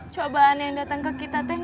coba neng datang ke kita neng